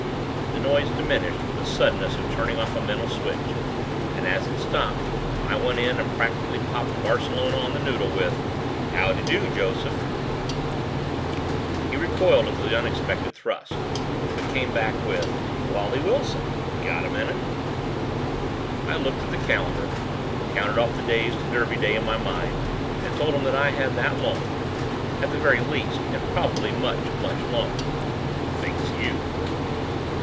The noise diminished with the suddenness of turning off a mental switch, and as it stopped I went in and practically popped Barcelona on the noodle with: "How de do, Joseph." He recoiled at the unexpected thrust, but came back with: "Wally Wilson! Got a minute?" I looked at the calendar, counted off the days to Derby Day in my mind and told him that I had that long at the very least and probably much, much longer. "Thinks you!"